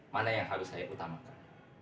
mana yang harus saya utamakan